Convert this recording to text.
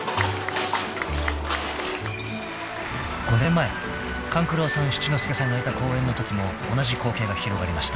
［５年前勘九郎さん七之助さんがいた公演のときも同じ光景が広がりました］